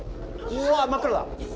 うわ真っ暗だ。